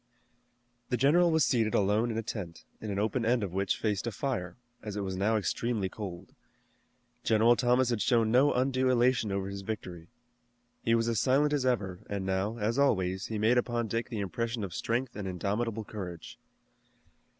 The general was seated alone in a tent, an open end of which faced a fire, as it was now extremely cold. General Thomas had shown no undue elation over his victory. He was as silent as ever, and now, as always, he made upon Dick the impression of strength and indomitable courage.